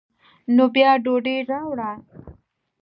نو بیا ډوډۍ راوړه.